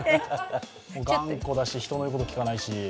頑固だし人の言うこと聞かないし。